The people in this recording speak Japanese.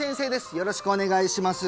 よろしくお願いします